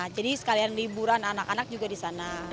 jadi sekalian liburan anak anak juga di sana